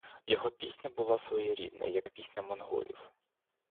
Його пісня була своєрідна, як пісня монголів.